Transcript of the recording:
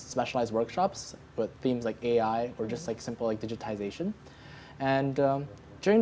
serta workshop khusus seperti ai atau digitalisasi yang sederhana